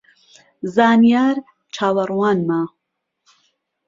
زانیار چاوەڕوانمە